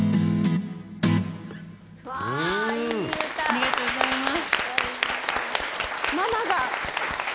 ありがとうございます。